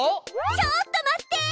ちょっと待って！